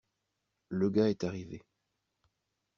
Le gars est arrivé.